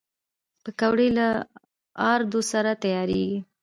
پکورې له آردو سره تیارېږي